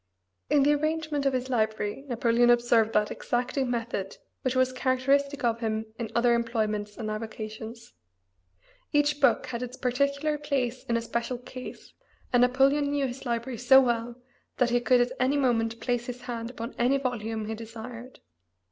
In the arrangement of his library Napoleon observed that exacting method which was characteristic of him in other employments and avocations. Each book had its particular place in a special case, and Napoleon knew his library so well that he could at any moment place his hand upon any volume he desired.